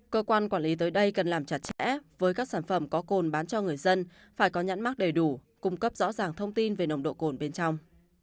cơ quan quản lý tới đây cần làm chặt chẽ với các sản phẩm có cồn bán cho người dân phải có nhãn mắc đầy đủ cung cấp rõ ràng thông tin về nồng độ cồn bên trong